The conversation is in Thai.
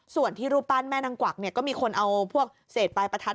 ส่วนที่รูปปั้นแม่นางกวักเนี่ยก็มีคนเอาพวกเศษปลายประทัด